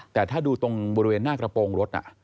แต่ถ้าดูตรงบริเวณหน้ากระโปรงรถ